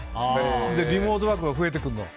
リモートワークが増えてくるの。